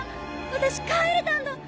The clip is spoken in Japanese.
私帰れたんだ！